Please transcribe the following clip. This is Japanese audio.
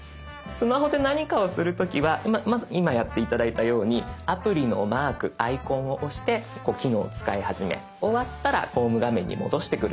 スマホで何かをする時は今やって頂いたようにアプリのマークアイコンを押して機能を使い始め終わったらホーム画面に戻してくる。